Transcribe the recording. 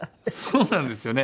そうなんですよね。